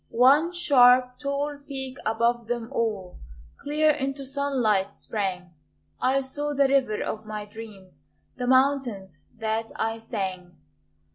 One sharp, tall peak above them all Clear into sunlight sprang I saw the river of my dreams, The mountains that I sang!